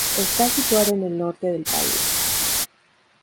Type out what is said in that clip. Está situada en el norte del país.